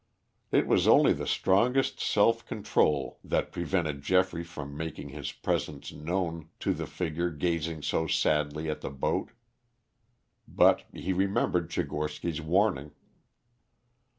It was only the strongest self control that prevented Geoffrey from making his presence known to the figure gazing so sadly at the boat. But he remembered Tchigorsky's warning.